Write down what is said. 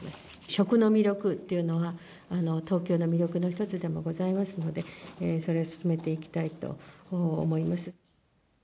食の魅力っていうのは、東京の魅力の一つでもございますので、それを進めていきたいと思います。